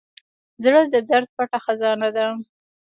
زړه د درد پټه خزانه ده.